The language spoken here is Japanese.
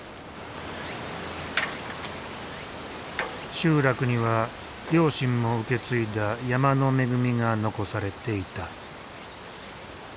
集落には両親も受け継いだ山の恵みが残されていた。